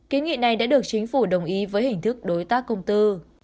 kiến nghị này đã được chính phủ đồng ý với hình thức đối tác công tư